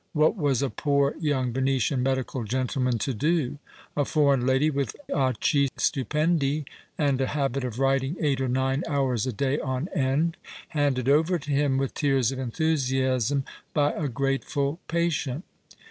\Vhat was a poor young Venetian medical gentleman to do ? A foreign lady with occhi stupendi (and a habit of writing eight or nine hours a day on end) handed over to him, with tears of enthusiasm, by a grateful patient